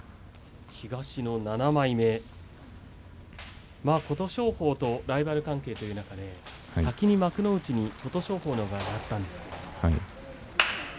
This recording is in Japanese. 東の７枚目琴勝峰とライバル関係という中で先に幕内に、琴勝峰のほうがいきました。